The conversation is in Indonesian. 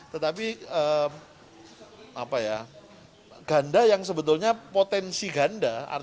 tetapi ganda yang sebetulnya potensi ganda